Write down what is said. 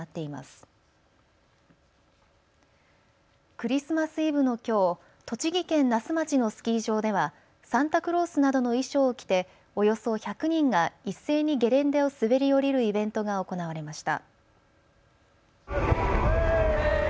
クリスマスイブのきょう、栃木県那須町のスキー場ではサンタクロースなどの衣装を着ておよそ１００人が一斉にゲレンデを滑り降りるイベントが行われました。